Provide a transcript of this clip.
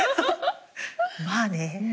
まあね。